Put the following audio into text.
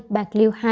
bạc liêu hai